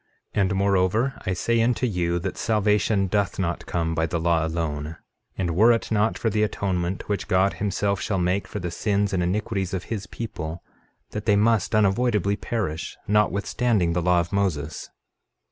13:28 And moreover, I say unto you, that salvation doth not come by the law alone; and were it not for the atonement, which God himself shall make for the sins and iniquities of his people, that they must unavoidably perish, notwithstanding the law of Moses.